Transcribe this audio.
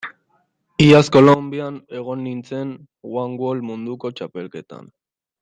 Iaz Kolonbian egon nintzen one wall munduko txapelketan.